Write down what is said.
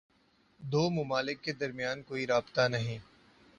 دو ممالک کے درمیان کوئی رابطہ نہیں ہے